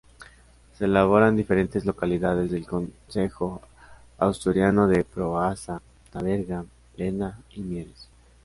Se elabora en diferentes localidades del concejo asturiano de Proaza, Teverga, Lena y Mieres.